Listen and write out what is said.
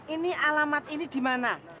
ini alamat ini dimana